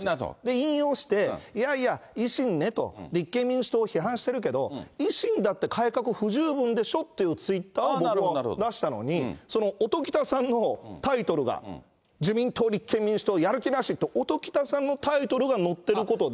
引用して、いやいや、維新ねと、立憲民主党を批判してるけど、維新だって改革不十分でしょっていうツイッターを僕は出したのに、その音喜多さんのタイトルが、自民党、立憲民主党、やる気なしと、音喜多さんのタイトルが載ってることで。